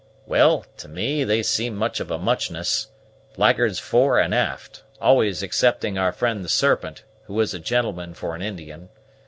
"Well, to me they seem much of a muchness; blackguards fore and aft, always excepting our friend the Serpent, who is a gentleman for an Indian.